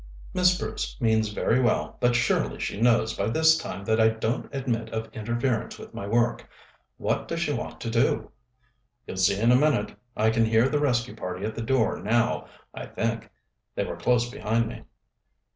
"Miss Bruce means very well, but surely she knows by this time that I don't admit of interference with my work. What does she want to do?" "You'll see in a minute. I can hear the rescue party at the door now, I think. They were close behind me."